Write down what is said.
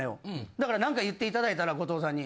だから何か言って頂いたら後藤さんに。